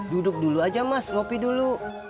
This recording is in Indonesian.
duduk dulu aja mas ngopi dulu